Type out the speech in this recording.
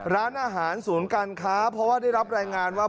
ร้านอาหารศูนย์การค้าเพราะว่าได้รับรายงานว่า